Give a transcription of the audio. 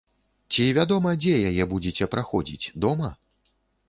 Ці вядома, дзе яе будзеце праходзіць, дома?